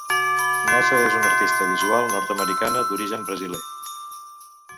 Naza és una artista visual nord-americana d'origen brasiler.